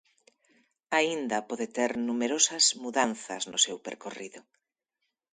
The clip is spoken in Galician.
Aínda pode ter numerosas mudanzas no seu percorrido.